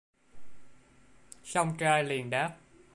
song trai liền đáp